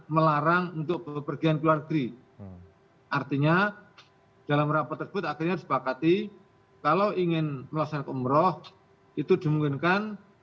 kementerian perhubungan kementerian kesehatan